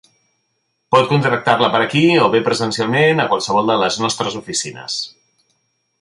Pot contractar-la per aquí, o bé presencialment a qualsevol de les nostres oficines.